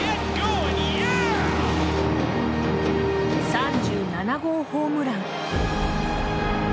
３７号ホームラン。